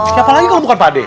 siapa lagi kalau bukan pak ade